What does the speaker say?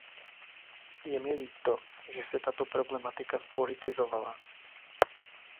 Je mi líto, že se tato problematika zpolitizovala.